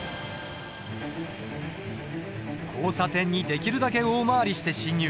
交差点にできるだけ大回りして進入。